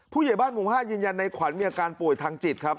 ผู้ใหญ่บ้านหมู่๕ยืนยันในขวัญมีอาการป่วยทางจิตครับ